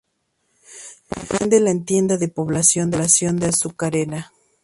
Comprende la entidad de población de Azucarera.